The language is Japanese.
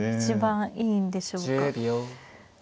一番いいんでしょうか。